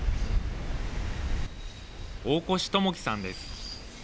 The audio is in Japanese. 大越智貴さんです。